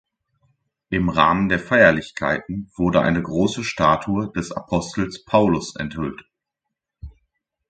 Im Rahmen der Feierlichkeiten wurde eine große Statue des Apostels Paulus enthüllt.